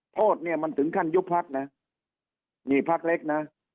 โทษเนี่ยมันถึงขั้นยุคภักดิ์นะมีภักดิ์เล็กนะ